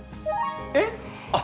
えっ？